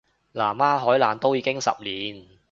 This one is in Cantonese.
南丫海難都已經十年